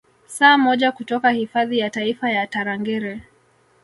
Saa moja kutoka hifadhi ya Taifa ya Tarangire